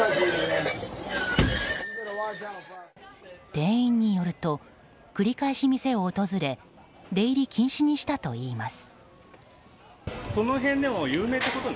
店員によると繰り返し、店を訪れ出入り禁止にしたといいます。